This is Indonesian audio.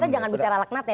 kita jangan bicara laknat ya